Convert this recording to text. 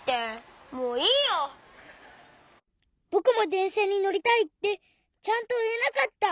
「ぼくもでんしゃにのりたい」ってちゃんといえなかった。